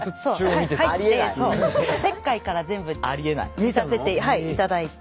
切開から全部見させて頂いて。